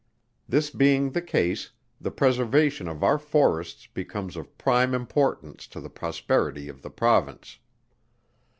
This being the case, the preservation of our forests becomes of prime importance to the prosperity of the Province.